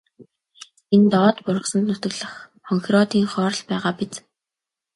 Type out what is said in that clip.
Энэ доод бургасанд нутаглах хонхироодынхоор л байгаа биз.